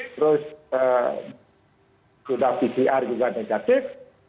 terus sudah pcr juga negatif